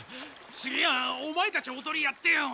次はオマエたちおとりやってよ。